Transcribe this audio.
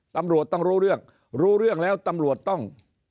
ตำรวจต้องรู้เรื่องรู้เรื่องแล้วตำรวจต้อง